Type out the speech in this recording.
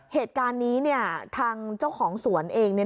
เหตุการณ์นี้ทางเจ้าของสวนเอง